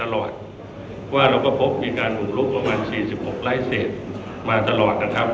แล้วผมก็ตามกันเสียบัญชนกันตลอด